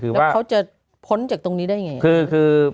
เพราะว่าเขาจะพ้นจากตรงนี้ได้ไง